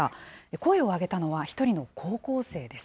声を上げたのは、１人の高校生です。